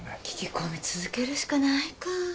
聞き込み続けるしかないかー。